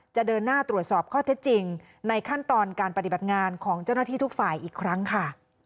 จะเดินหน้าตรวจสอบข้อเท็จจริงในขั้นตอนการปฏิบัติงานของเจ้าหน้าที่ทุกฝ่ายอีกครั้งค่ะ